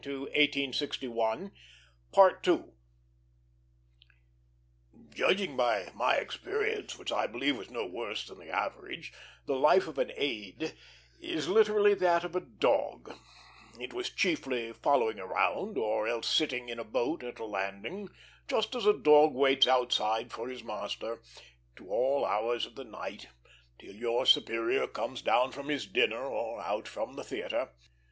Possibly he was breaking a bad habit. Judged by my experience, which I believe was no worse than the average, the life of an aide is literally that of a dog; it was chiefly following round, or else sitting in a boat at a landing, just as a dog waits outside for his master, to all hours of the night, till your superior comes down from his dinner or out from the theatre.